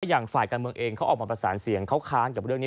อย่างฝ่ายการเมืองเองเขาออกมาประสานเสียงเขาค้านกับเรื่องนี้